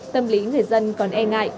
tâm lý người dân còn e ngại